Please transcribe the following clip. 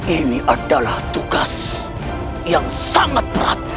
ini adalah tugas yang sangat berat